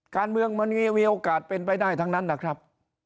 การเมืองมันมีโอกาสเป็นไปได้ทั้งนั้นนะครับ